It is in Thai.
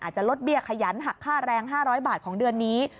จะลดเบี้ยขยันหักค่าแรง๕๐๐บาทของเดือนนี้